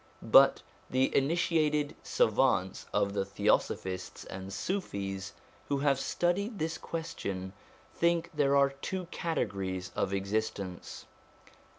But the initiated savants of the Theosophists and Sufis, who have studied this question, think there are two categories of existence.